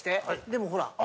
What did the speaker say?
でもほら。